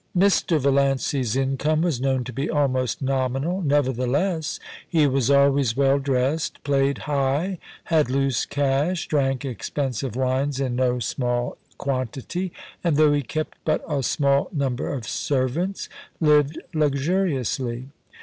Mr. Valiancy's income was known to be almost nominal, nevertheless he was always well dressed, played high, had loose cash, drank expensive wines in no small MRS. VALLANCVS HOME. 43 quantity, and, though he kept but a small number of ser vants, lived luxuriously.